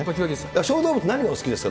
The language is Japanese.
小動物、何がお好きですか？